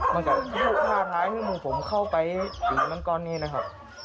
มันกลับมาท่าท้ายให้มูผมเข้าไปตีมันก่อนนี่นะครับ